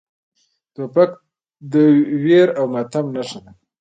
توپک د ویر او ماتم نښه ده.